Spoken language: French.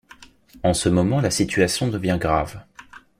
En ce moment la situation devient grave.